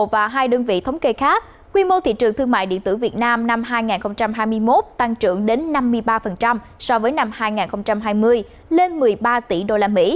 và hai đơn vị thống kê khác quy mô thị trường thương mại điện tử việt nam năm hai nghìn hai mươi một tăng trưởng đến năm mươi ba so với năm hai nghìn hai mươi lên một mươi ba tỷ usd